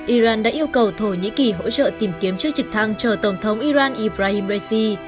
iran đã yêu cầu thổ nhĩ kỳ hỗ trợ tìm kiếm trước trực thăng chở tổng thống iran ibrahim raisi